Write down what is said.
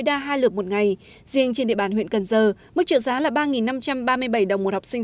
đa hai lượt một ngày riêng trên địa bàn huyện cần giờ mức trợ giá là ba năm trăm ba mươi bảy đồng một học sinh